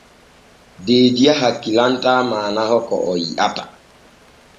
Deediya hakkilantaa maanaho ko o yi’ata.